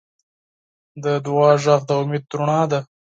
د دعا غږ د امید رڼا ده.